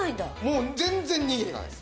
もう全然逃げないです。